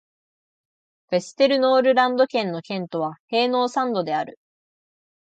ヴェステルノールランド県の県都はヘーノーサンドである